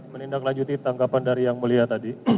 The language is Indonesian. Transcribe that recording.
menindaklanjuti tanggapan dari yang mulia tadi